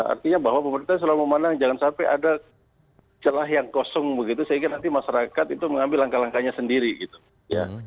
artinya bahwa pemerintah selalu memandang jangan sampai ada celah yang kosong begitu sehingga nanti masyarakat itu mengambil langkah langkahnya sendiri gitu ya